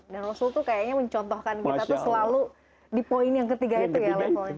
dan rasul itu kayaknya mencontohkan kita selalu di poin yang ketiga itu ya